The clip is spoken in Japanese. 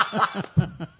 フフフフ。